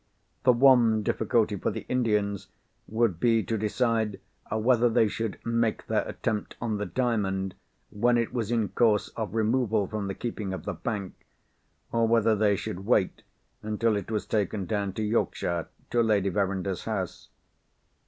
The one difficulty for the Indians would be to decide whether they should make their attempt on the Diamond when it was in course of removal from the keeping of the bank, or whether they should wait until it was taken down to Yorkshire to Lady Verinder's house.